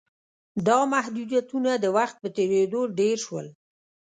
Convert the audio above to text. دا محدودیتونه د وخت په تېرېدو ډېر شول.